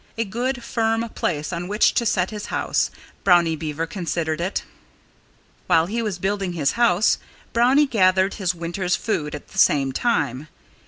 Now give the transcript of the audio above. A good, firm place on which to set his house Brownie Beaver considered it. While he was building his house Brownie gathered his winter's food at the same time.